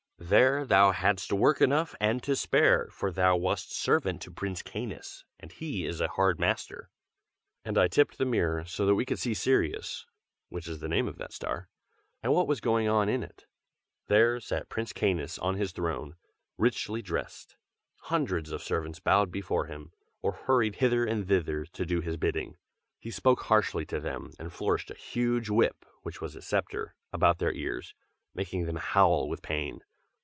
There thou hadst work enough and to spare, for thou wast servant to Prince Canis, and he is a hard master." And I tipped the mirror, so that we could see Sirius (which is the name of that star,) and what was going on in it. There sat Prince Canis on his throne, richly dressed. Hundreds of servants bowed before him, or hurried hither and thither to do his bidding. He spoke harshly to them, and flourished a huge whip, which was his sceptre, about their ears, making them howl with pain.